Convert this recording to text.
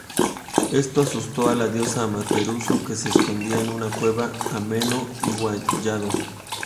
Esto asustó a la diosa Amaterasu que se escondió en una cueva, Ame-no-Iwa-ya-do.